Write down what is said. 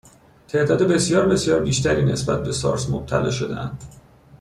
تعداد بسیار بسیار بیشتری نسبت به سارس مبتلا شدهاند